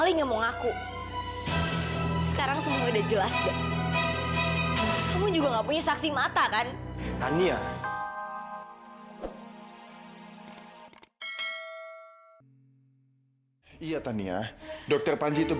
iya sayang tentu percaya sama aku